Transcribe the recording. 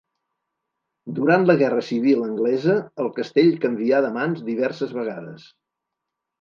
Durant la guerra civil anglesa el castell canvià de mans diverses vegades.